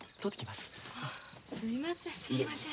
すいません。